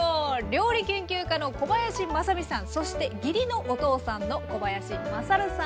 料理研究家の小林まさみさんそして義理のお父さんの小林まさるさんです。